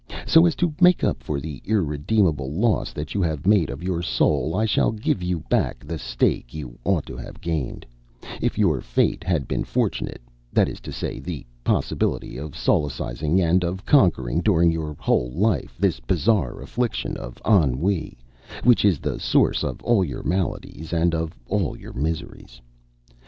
So as to make up for the irremediable loss that you have made of your soul, I shall give you back the stake you ought to have gained, if your fate had been fortunate that is to say, the possibility of solacing and of conquering, during your whole life, this bizarre affection of ennui, which is the source of all your maladies and of all your miseries.